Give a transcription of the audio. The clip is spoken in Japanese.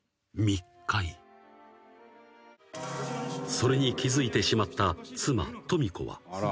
［それに気付いてしまった妻登美子は］